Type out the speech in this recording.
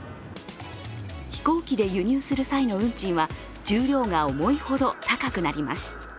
飛行機で輸入する際の運賃は重量が重いほど高くなります。